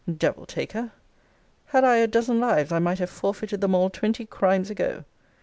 Devil take her! 'Had I a dozen lives, I might have forfeited them all twenty crimes ago.'